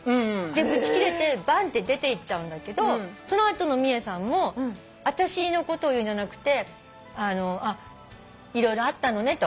ぶちキレてバンって出ていっちゃうんだけどその後のミエさんも私のことを言うんじゃなくて色々あったのねと。